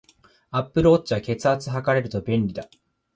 アップルウォッチは、血圧測れると便利だ